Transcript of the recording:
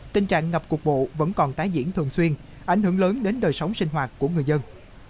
tình trạng ngập cuộc bộ vẫn còn tái diễn thường xuyên ảnh hưởng lớn đến đời sống sinh hoạt của người dân